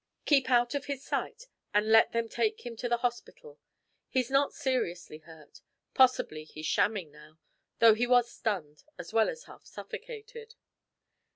'Keep out of his sight, and let them take him to the hospital. He's not seriously hurt. Possibly he's shamming, now; though he was stunned, as well as half suffocated.'